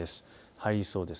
入りそうです。